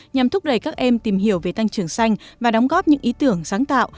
nhằm thúc đẩy các em tìm hiểu về tăng trưởng xanh và đóng góp những ý tưởng sáng tạo